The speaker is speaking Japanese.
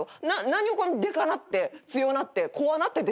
何をでかなって強なって怖なって出てきてんの。